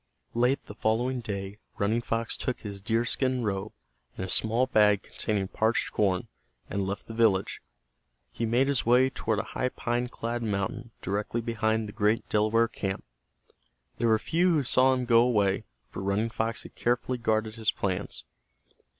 Late the following day Running Fox took his deer skin robe, and a small bag containing parched corn, and left the village. He made his way toward a high pine clad mountain directly behind the great Delaware camp. There were few who saw him go away, for Running Fox had carefully guarded his plans.